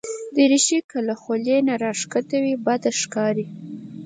دریشي که له خولې نه راښکته وي، بد ښکاري.